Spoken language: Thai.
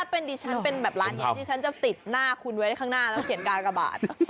ถ้าเป็นดิฉันเป็นแบบร้านเหมือนเดียวดิฉันจะติดหน้าคุณไว้ข้างหน้าแล้วเขียนการกระบาด